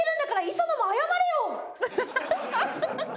磯野謝れよ。